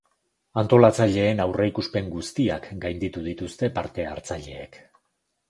Antolatzaileen aurreikuspen guztiak gainditu dituzte parte-hartzaileek.